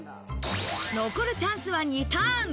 残るチャンスは２ターン。